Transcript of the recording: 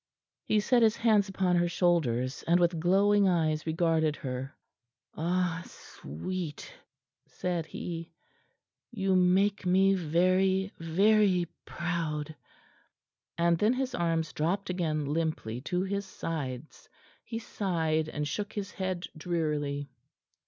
He set his hands upon her shoulders, and with glowing eyes regarded her. "Ah, sweet!" said he, "you make me very, very proud." And then his arms dropped again limply to his sides. He sighed, and shook his head drearily.